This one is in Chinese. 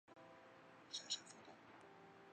龙胆木为大戟科龙胆木属下的一个种。